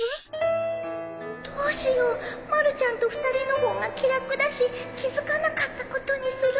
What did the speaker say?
どうしようまるちゃんと２人の方が気楽だし気付かなかったことにする？